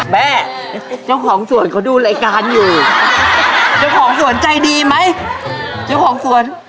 แม่เจ้าของสวนเขาดูรายการอยู่เจ้าของสวนใจดีไหมเจ้าของสวน